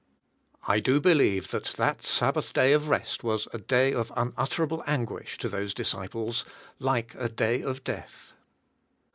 I do believe that that Sabbath day of rest was a day of unutterable anguish to those disciples, like a day of death.